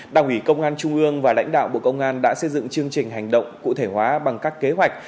đảng ủy công an trung ương và lãnh đạo bộ công an đã xây dựng chương trình hành động cụ thể hóa bằng các kế hoạch